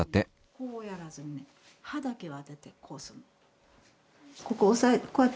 こうやらずにはだけをあててこうするの。